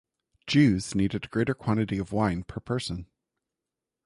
Jews needed a greater quantity of wine per person.